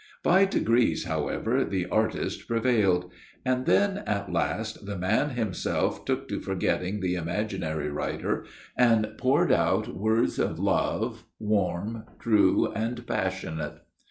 By degrees, however, the artist prevailed. And then at last the man himself took to forgetting the imaginary writer and poured out words of love, warm, true, and passionate.